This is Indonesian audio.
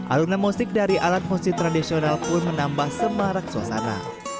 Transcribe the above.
alunan musik dari alat musik tradisional pun menambah semarak suasana